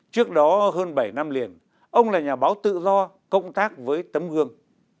trước đó hơn bảy năm liền ông là nhà báo tự do công tác với tấm gương